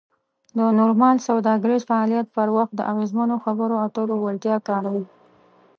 د نورمال سوداګریز فعالیت پر وخت د اغیزمنو خبرو اترو وړتیا کاروو.